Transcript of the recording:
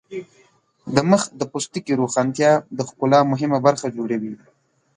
د مخ د پوستکي روښانتیا د ښکلا مهمه برخه جوړوي.